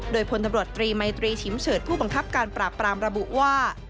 โดยพลตำรวจตรีมัยตรีชิมเฉิดผู้บังคับการปราบปรามระบุว่า